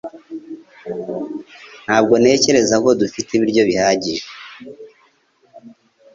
Ntabwo ntekereza ko dufite ibiryo bihagije